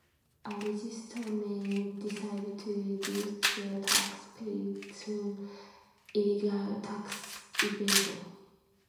A resister may decide to reduce their tax paid through illegal tax evasion.